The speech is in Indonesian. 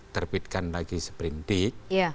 terbitkan lagi sprint dig